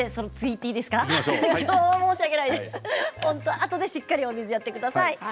あとでしっかりお水をやってください。